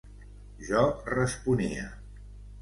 Jo responia: